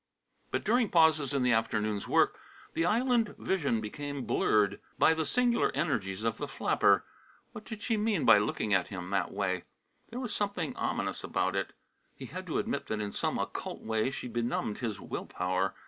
But during pauses in the afternoon's work the island vision became blurred by the singular energies of the flapper. What did she mean by looking at him that way? There was something ominous about it. He had to admit that in some occult way she benumbed his will power.